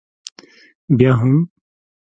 بیا هم؟